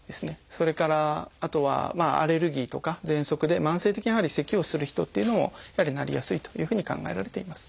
それからあとはアレルギーとかぜんそくで慢性的にやはりせきをする人っていうのもやはりなりやすいというふうに考えられています。